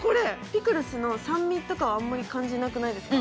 ピクルスの酸味とはあんまり感じないじゃないですか。